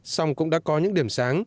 xong cũng đã có những điểm sáng